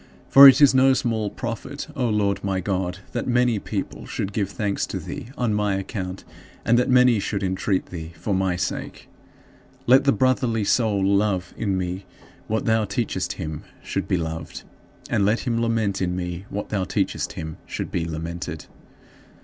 For it is no small profit, O Lord my God, that many people should give thanks to thee on my account and that many should entreat thee for my sake. Let the brotherly soul love in me what thou teachest him should be loved, and let him lament in me what thou teachest him should be lamented.